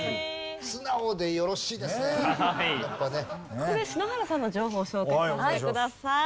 ここで篠原さんの情報を紹介させてください。